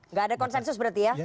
nggak ada konsensus berarti ya